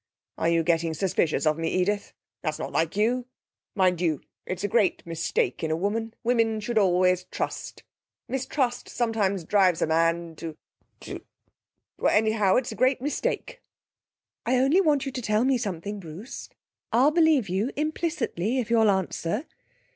'Are you getting suspicious of me, Edith? That's not like you. Mind you, it's a great mistake in a woman; women should always trust. Mistrust sometimes drives a man to to Oh, anyhow, it's a great mistake.' 'I only want you to tell me something, Bruce. I'll believe you implicitly if you'll answer....